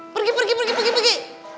pergi pergi pergi